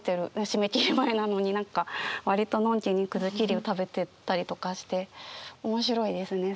締め切り前なのに何か割とのんきにくずきりを食べてたりとかして面白いですね